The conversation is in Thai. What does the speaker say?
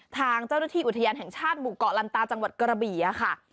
ทางเจ้าหน้าที่อุทยานแห่งชาติหมู่เกาะลันตาจังหวัดกระบี่ค่ะ